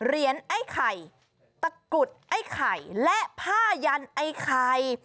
เหรียญไอ้ไข่ตะกุดไอ้ไข่และผ้ายันไอ้ไข่